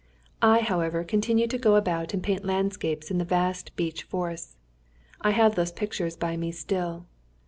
I, however, continued to go about and paint landscapes in the vast beech forests. I have those pictures by me still.